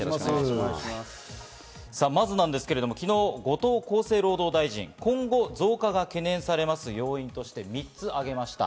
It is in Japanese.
まず昨日、後藤厚生労働大臣が今後増加が懸念されます要因として３つ挙げました。